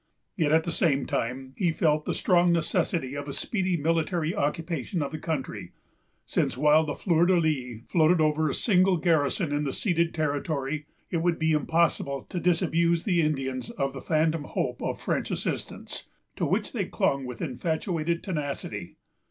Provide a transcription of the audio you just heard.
Yet, at the same time, he felt the strong necessity of a speedy military occupation of the country; since, while the fleur de lis floated over a single garrison in the ceded territory, it would be impossible to disabuse the Indians of the phantom hope of French assistance, to which they clung with infatuated tenacity.